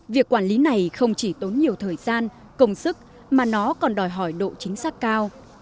việc quản lý này không chỉ tốn nhiều thời gian công sức mà nó còn đòi hỏi độ chính xác cao